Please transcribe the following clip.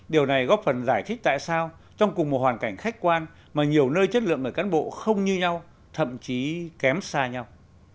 điều này góp phần giải thích tại sao trong cùng một hoàn cảnh khách quan mà nhiều nơi chất lượng người cán bộ không như nhau thậm chí kém xa nhau